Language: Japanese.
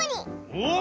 おっ！